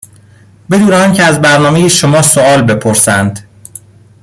بدون آنکه از برنامه شما سوال بپرسند.